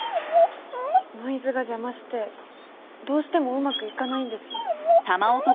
ノイズが邪魔してどうしてもうまくいかないんです。